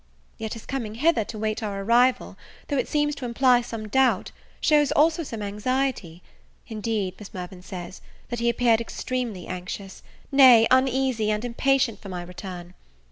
Yet his coming hither to wait our arrival though it seems to imply some doubt, shews also some anxiety. Indeed, Miss Mirvan says, that he appeared extremely anxious, nay, uneasy and impatient for my return.